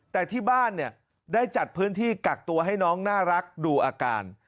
แต่ที่บ้านเนี่ยได้จัดพื้นที่กักตัวให้น้องน่ารักดูอาการ